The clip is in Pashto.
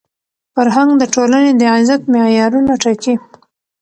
فرهنګ د ټولني د عزت معیارونه ټاکي.